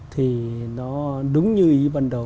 thì nó đúng như ý ban đầu